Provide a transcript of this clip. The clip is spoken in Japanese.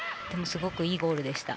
すごくいいボールでした。